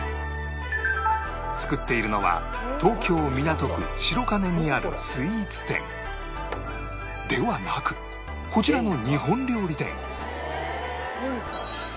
作っているのは東京港区白金にあるスイーツ店ではなくこちらの日本料理店